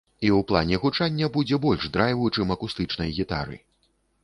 І ў плане гучання будзе больш драйву, чым акустычнай гітары.